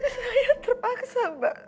saya terpaksa mbak